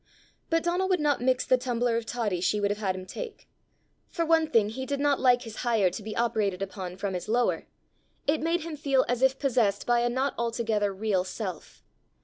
But Donal would not mix the tumbler of toddy she would have had him take. For one thing he did not like his higher to be operated upon from his lower: it made him feel as if possessed by a not altogether real self.